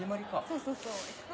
そうそうそう聴く？